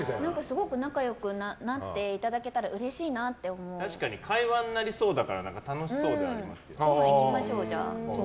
すごく仲良くなっていただけたら確かに会話になりそうだからごはん行きましょう。